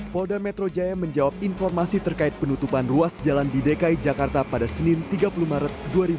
polda metro jaya menjawab informasi terkait penutupan ruas jalan di dki jakarta pada senin tiga puluh maret dua ribu dua puluh